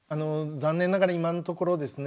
残念ながら今のところですね